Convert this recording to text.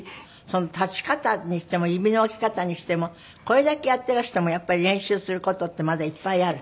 立ち方にしても指の置き方にしてもこれだけやってらしてもやっぱり練習する事ってまだいっぱいある？